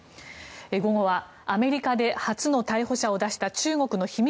午後はアメリカで初の逮捕者を出した中国の秘密